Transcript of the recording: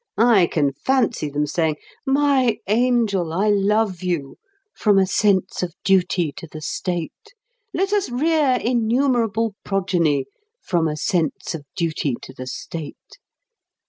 I can fancy them saying, "My angel, I love you from a sense of duty to the state. Let us rear innumerable progeny from a sense of duty to the state."